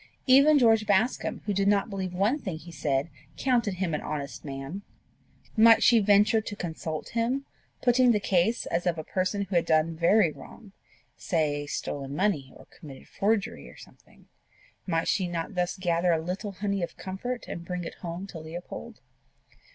Even George Bascombe, who did not believe one thing he said, counted him an honest man! Might she venture to consult him, putting the case as of a person who had done very wrong say stolen money or committed forgery or something? Might she not thus gather a little honey of comfort and bring it home to Leopold?